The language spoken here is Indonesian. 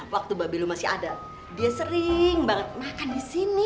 waktu babilu masih ada dia sering banget makan di sini